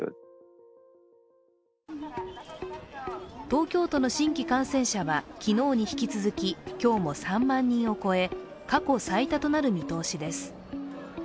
東京都の新規感染者は昨日に引き続き今日も３万人を超え過去最多となる見通しです。